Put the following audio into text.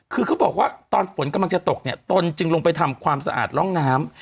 คือเขาบอกว่าตอนฝนกำลังจะตกเนี่ยตนจึงลงไปทำความสะอาดร่องน้ำ